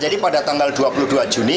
jadi pada tanggal dua puluh dua juni